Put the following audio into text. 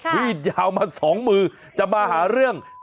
มีดยาวมา๒มือจะมาหาเรื่อง